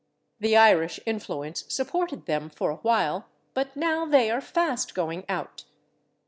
The Irish influence supported them for a while, but now they are fast going out.